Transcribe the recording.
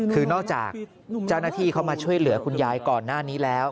คือนอกจากเจ้าหน้าที่เข้ามาช่วยเหลือคุณยายก่อนหน้านี้แล้ว